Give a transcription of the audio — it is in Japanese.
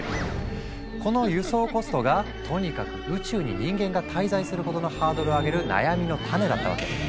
この輸送コストがとにかく宇宙に人間が滞在することのハードルを上げる悩みの種だったわけ。